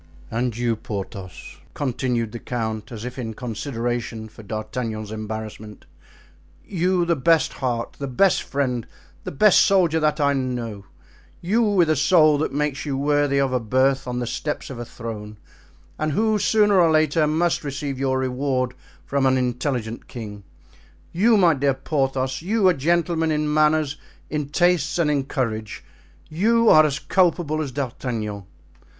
"And you, Porthos," continued the count, as if in consideration for D'Artagnan's embarrassment, "you, the best heart, the best friend, the best soldier that I know—you, with a soul that makes you worthy of a birth on the steps of a throne, and who, sooner or later, must receive your reward from an intelligent king—you, my dear Porthos, you, a gentleman in manners, in tastes and in courage, you are as culpable as D'Artagnan."